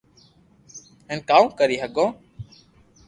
ھين ڪاو ڪري ھگو